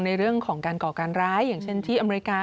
ในเรื่องของการก่อการร้ายอย่างเช่นที่อเมริกา